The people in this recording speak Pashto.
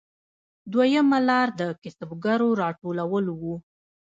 دویمه لار د کسبګرو راټولول وو